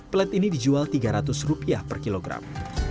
pellet ini dijual tiga ratus rupiah per kilogram